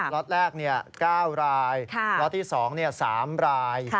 ล็อตแรก๙รายล็อตที่๒๓ราย